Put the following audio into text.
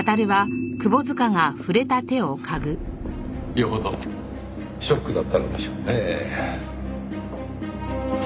よほどショックだったのでしょうねぇ。